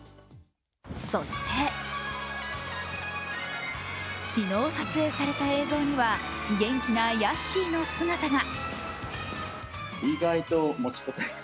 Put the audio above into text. そして、昨日撮影された映像には元気なヤッシーの姿が。